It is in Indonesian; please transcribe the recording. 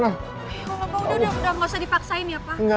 udah gak usah dipaksain ya pak